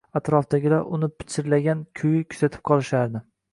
Atrofdagilar uni pichirlagan kuyi kuzatib qolishardi